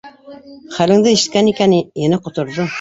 Хәлеңде ишеткән икән, ене ҡоторҙо